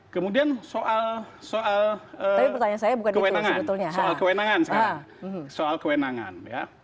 kemudian soal kewenangan